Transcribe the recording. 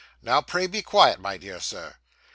Now pray be quiet, my dear sir.' Mr.